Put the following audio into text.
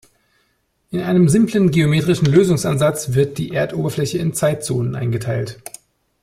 In einem simplen geometrischen Lösungsansatz wird die Erdoberfläche in Zeitzonen eingeteilt.